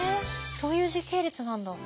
そういう時系列なんだ。